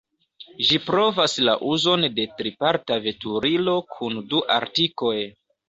Ĝi provas la uzon de triparta veturilo kun du artikoj.